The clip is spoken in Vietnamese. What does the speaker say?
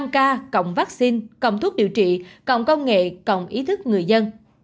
năm k cộng vaccine cộng thuốc điều trị cộng công nghệ cộng ý thức người dân